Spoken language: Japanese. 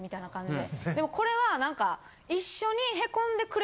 でもこれは何か。